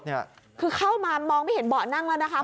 คือเข้ามามองไม่เห็นเบาะนั่งแล้วนะคะ